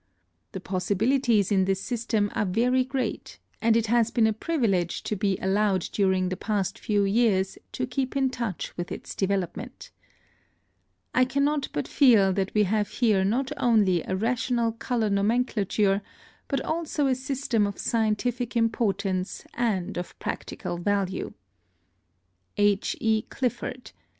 The possibilities in this system are very great, and it has been a privilege to be allowed during the past few years to keep in touch with its development. I cannot but feel that we have here not only a rational color nomenclature, but also a system of scientific importance and of practical value. H. E. CLIFFORD.